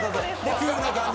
クールな感じ。